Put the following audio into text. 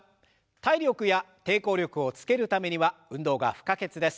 体力や抵抗力をつけるためには運動が不可欠です。